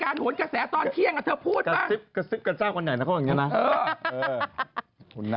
รายการฉันไม่ได้รายการสด